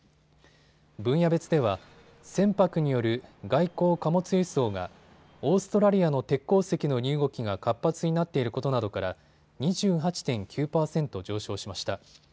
分野別では船舶による外航貨物輸送がオーストラリアの鉄鉱石の荷動きが活発になっていることなどから２８．９％上昇しました。